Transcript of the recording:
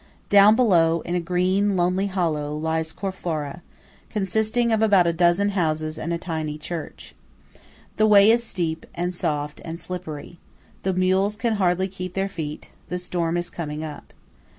Down below, in a green, lonely hollow, lies Corfara; consisting of about a dozen houses and a tiny church. The way is steep, and soft, and slippery–the mules can hardly keep their feet– the storm is coming up.